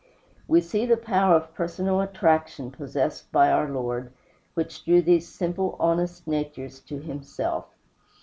We see the power of personal attraction possessed by our Lord, which drew these simple, honest natures to himself.